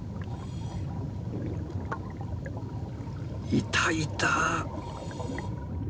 いたいた！